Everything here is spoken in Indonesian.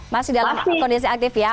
masih dalam kondisi aktif ya